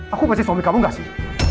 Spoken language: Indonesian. aku kasih suami kamu gak sih